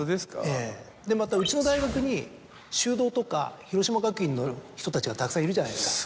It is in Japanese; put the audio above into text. ええまたうちの大学に修道とか広島学院の人たちがたくさんいるじゃないですか。